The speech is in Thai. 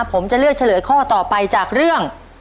ผมจะเลือกเฉลยข้อต่อไปจากเรื่อง